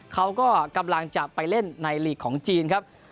เขาก็กำลังจะไปเล่นในลีกของจีนครับ